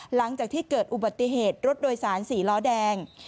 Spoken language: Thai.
หลังจากที่เกิดอุบัติเหตุรถโดยสาร๔ล้อแดง